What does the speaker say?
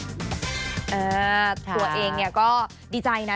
เออตัวเองก็ดีใจนะ